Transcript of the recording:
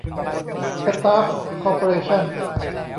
สตาร์ค คอร์เปอเรชั่น